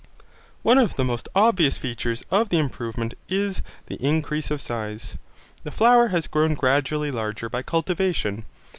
One of the most obvious features of the improvement is the increase of size. The flower has grown gradually larger by cultivation.